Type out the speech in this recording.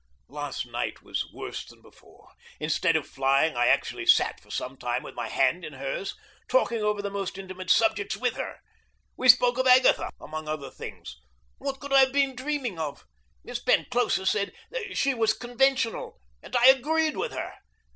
Last night was worse than before. Instead of flying I actually sat for some time with my hand in hers talking over the most intimate subjects with her. We spoke of Agatha, among other things. What could I have been dreaming of? Miss Penclosa said that she was conventional, and I agreed with her.